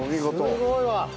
すごいわ！